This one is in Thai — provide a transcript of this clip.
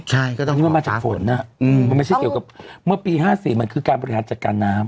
ใช่ก็ต้องมันมาจากฝนน่ะอืมมันไม่ใช่เกี่ยวกับเมื่อปีห้าสี่มันคือการบริษัทจัดการน้ำ